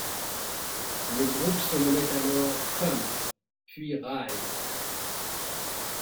Le groupe se nommait alors Thump, puis Rise.